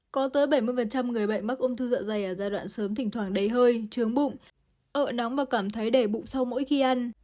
có tới bảy mươi người bệnh mắc ung thư dạ dày ở giai đoạn sớm thỉnh thoảng đầy hơi trướng bụng ở nóng và cảm thấy để bụng sau mỗi khi ăn